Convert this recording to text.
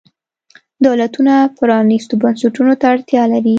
دولتونه پرانیستو بنسټونو ته اړتیا لري.